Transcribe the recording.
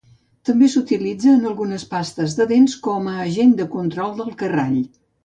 També s'utilitza en algunes pastes de dents com a agent de control del carrall.